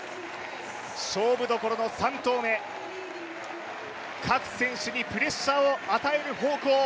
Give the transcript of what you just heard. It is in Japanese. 勝負どころの３投目、各選手にプレッシャーを与える咆哮。